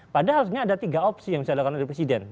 padahal harusnya ada tiga opsi yang disatakan oleh presiden